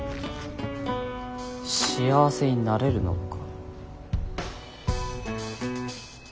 幸せになれるのか？